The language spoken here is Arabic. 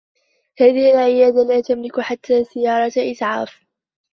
هذه العيادة لا تملك حتّى سيّارة إسعاف.